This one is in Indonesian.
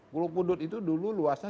pulau pudut itu dulu luasnya